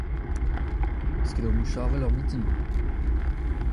N'eus ket ur mouch avel er mintin-mañ.